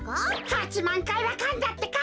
８まんかいはかんだってか。